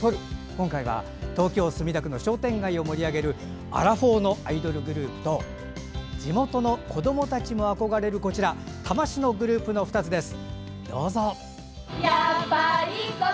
今回は東京・墨田区の商店街を盛り上げるアラフォーのアイドルグループと地元の子どもたちも憧れる多摩市のグループの２つです。